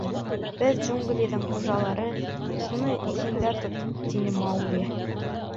Беҙ — джунглиҙың хужалары, шуны иҫендә тот, — тине Маугли.